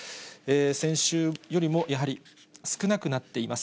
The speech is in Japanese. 先週よりもやはり少なくなっています。